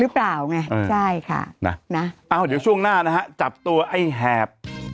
เปล่าไงใช่ค่ะนะอ้าวเดี๋ยวช่วงหน้านะฮะจับตัวไอ้แหบ